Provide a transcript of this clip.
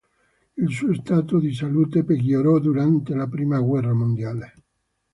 Il suo stato di salute peggiorò durante la Prima guerra mondiale.